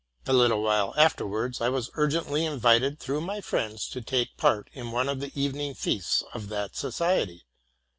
A little while afterwards I was urgently invited, through my friend, to take part in one of the evening feasts of that society.